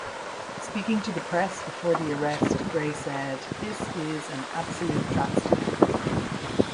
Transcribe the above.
Speaking to the press before the arrest, Gray said, This is an absolute travesty.